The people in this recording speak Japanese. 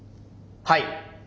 はい。